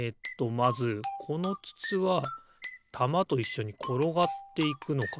まずこのつつはたまといっしょにころがっていくのかな。